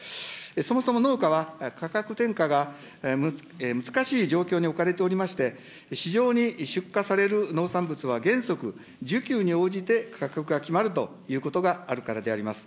そもそも農家は、価格転嫁が難しい状況に置かれておりまして、市場に出荷される農産物は原則、需給に応じて価格が決まるということがあるからであります。